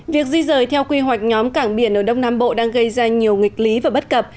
việc di rời theo quy hoạch nhóm cảng biển ở đông nam bộ đang gây ra nhiều nghịch lý và bất cập